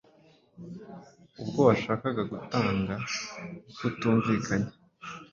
ubwo washakaga gutanga butumvikanye